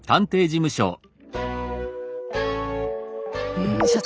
うん所長